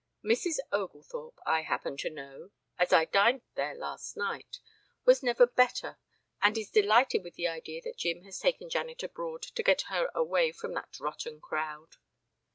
"Mrs. Oglethorpe, I happen to know, as I dined there last night, was never better and is delighted with the idea that Jim has taken Janet abroad to get her away from that rotten crowd."